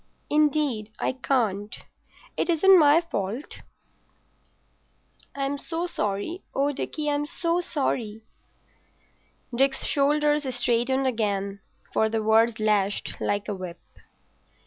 "Indeed, I can't. It isn't my fault. I'm so sorry. Oh, Dickie, I'm so sorry." Dick's shoulders straightened again, for the words lashed like a whip.